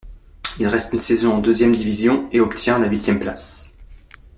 Il reste une saison en deuxième division, et obtient la huitième place.